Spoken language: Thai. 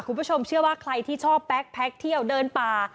คุณผู้ชมเชื่อว่าใครที่ชอบแป๊กเที่ยวเดินป่า